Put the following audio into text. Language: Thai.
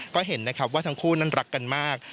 ก็เห็นนะครับว่าทั้งคู่นั้นรักกันมาก